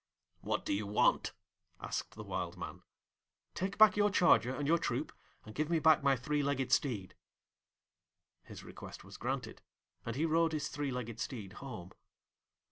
'What do you want?' asked the Wild Man. 'Take back your charger and your troop, and give me back my three legged steed.' His request was granted, and he rode his three legged steed home.